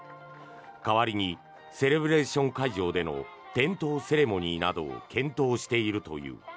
代わりにセレブレーション会場での点火セレモニーなどを検討しているという。